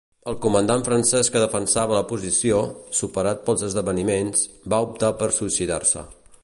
El comandant francès que defensava la posició, superat pels esdeveniments, va optar per suïcidar-se.